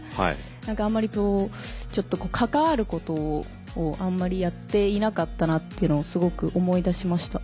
何かあんまりちょっと関わることをあんまりやっていなかったなっていうのをすごく思い出しました。